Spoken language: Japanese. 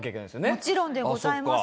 もちろんでございます。